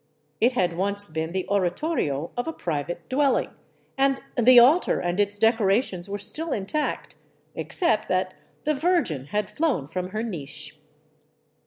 It had once been the oratorio of a private dwelling, and the altar and its decorations were still intact, except that the Virgin had flown from her niche.